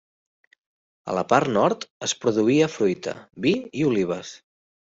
A la part nord es produïa fruita, vi i olives.